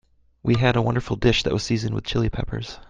We had a wonderful dish that was seasoned with Chili Peppers.